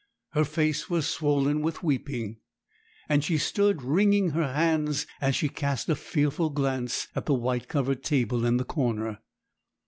Her face was swollen with weeping, and she stood wringing her hands, as she cast a fearful glance at the white covered table in the corner.